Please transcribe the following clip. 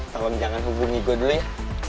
salam jangan hubungi gue dulu ya